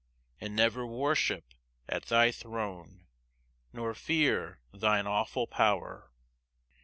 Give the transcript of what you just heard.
And never worship at thy throne, Nor fear thine awful power?